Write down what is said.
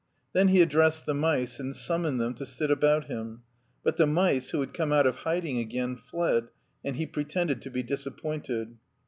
Then he addressed the mice and summoned them to sit about him, but the mice, who had come out of hiding again, fled, and he pre* tended to be disappointed.